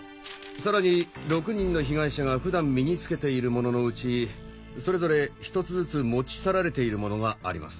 さらに６人の被害者が普段身に着けているもののうちそれぞれ１つずつ持ち去られているものがあります。